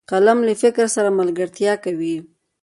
قلم له فکر سره ملګرتیا کوي